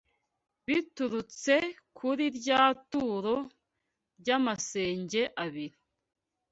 biturutse kuri rya turo, «ry’amasenge abiri»